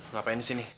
ngapain di sini